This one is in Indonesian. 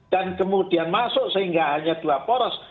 dan kemudian masuk sehingga hanya dua poros